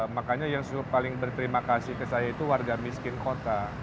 makanya yang paling berterima kasih ke saya itu warga miskin kota